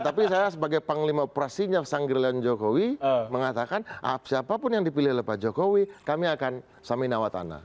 tapi saya sebagai panglima prasinyaf sanggerlian jokowi mengatakan siapapun yang dipilih oleh pak jokowi kami akan samin awat anak